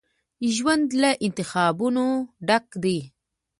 ژوند له انتخابونو ډک دی.